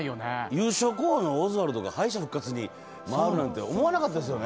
優勝候補のオズワルドが敗者復活に回るなんて、思わなかったですよね。